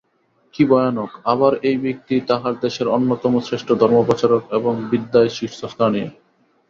কি ভয়ানক! আবার এই ব্যক্তিই তাঁহার দেশের অন্যতম শ্রেষ্ঠ ধর্মপ্রচারক এবং বিদ্যায় শীর্ষস্থানীয়।